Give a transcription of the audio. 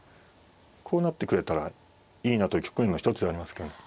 こうなってくれたらいいなという局面の一つではありますけどね。